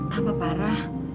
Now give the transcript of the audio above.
tak apa para